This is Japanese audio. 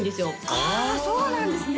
あそうなんですね